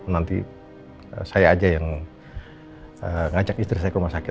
nanti saya aja yang ngajak istri saya ke rumah sakit